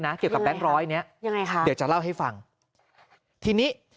เกี่ยวกับแบงค์ร้อยเนี้ยยังไงคะเดี๋ยวจะเล่าให้ฟังทีนี้